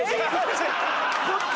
こっち⁉